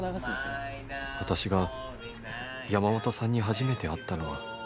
「私が山本さんに初めて会ったのは」